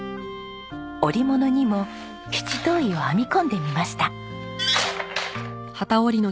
織物にも七島藺を編み込んでみました。